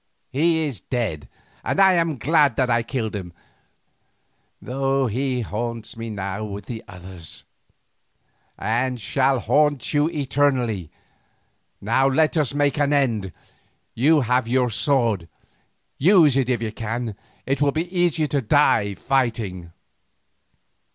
He is dead and I am glad that I killed him, though he haunts me now with the others." "And shall haunt you eternally. Now let us make an end. You have your sword, use it if you can. It will be easier to die fighting."